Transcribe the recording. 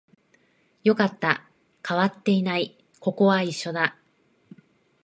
よかった、変わっていない、ここは一緒だ